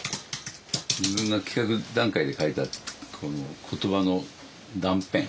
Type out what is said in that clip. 自分が企画段階で書いた言葉の断片。